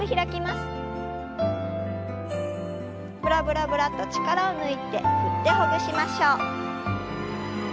ブラブラブラッと力を抜いて振ってほぐしましょう。